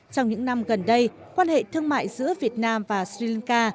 trong những năm gần đây quan hệ thương mại giữa việt nam và sri lanka